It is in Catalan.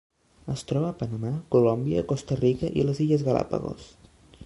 Es troba a Panamà, Colòmbia, Costa Rica i les Illes Galápagos.